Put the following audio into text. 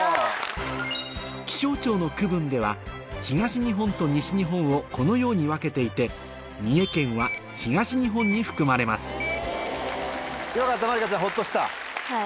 気象庁の区分では東日本と西日本をこのように分けていて三重県は東日本に含まれますよかった。